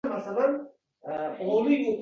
Bu gaplarni kim o'rgatganini so'radi, aytmadim.